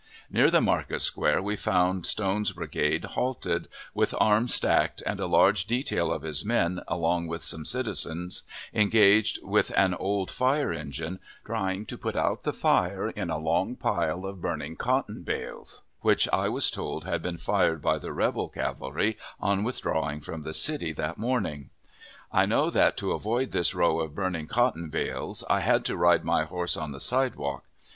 Near the market square we found Stone's brigade halted, with arms stacked, and a large detail of his men, along with some citizens, engaged with an old fire engine, trying to put out the fire in a long pile of burning cotton bales, which I was told had been fired by the rebel cavalry on withdrawing from the city that morning. I know that, to avoid this row of burning cotton bales, I had to ride my horse on the sidewalk.